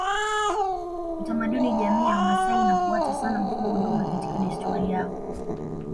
Utamaduni Jamii ya Wamasai inafuata sana mfumo dume katika desturi yao